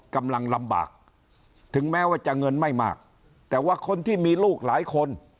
กำลังลำบากถึงแม้ว่าจะเงินไม่มากแต่ว่าคนที่มีลูกหลายคน